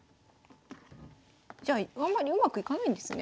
じゃああんまりうまくいかないんですね。